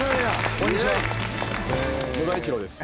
こんにちは野田栄一郎です。